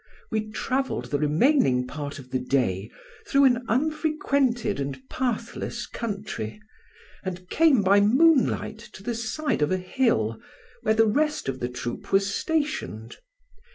We travelled the remaining part of the day through an unfrequented and pathless country, and came by moonlight to the side of a hill, where the rest of the troop was stationed.